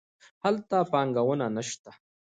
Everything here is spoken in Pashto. هلته پانګونه نه شته.